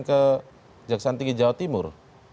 menyerahkan ke kejaksaan tinggi jawa timur